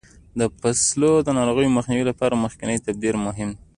د فصلو د ناروغیو مخنیوي لپاره مخکینی تدبیر مهم دی.